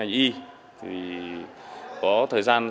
để tìm hiểu các mối quan hệ